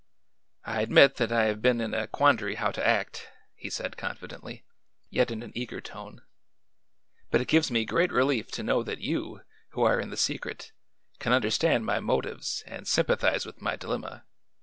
"I admit that I have been in a quandary how to act," he said confidently, yet in an eager tone. "But it gives me great relief to know that you, who are in the secret, can understand my motives and sympathize with my dilemma.